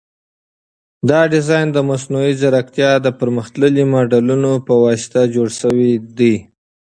دا ډیزاین د مصنوعي ځیرکتیا د پرمختللو ماډلونو په واسطه جوړ شوی دی.